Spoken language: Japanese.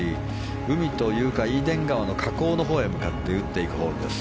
海というか、イーデン川の河口のほうへ向かって打っていくホールです。